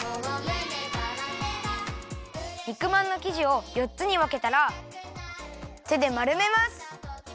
肉まんのきじをよっつにわけたらてでまるめます。